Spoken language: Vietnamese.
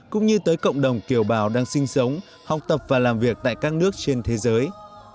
cũng như tới cộng đồng kiều bào đang sinh sống học tập và làm việc tại các nước trên thế giới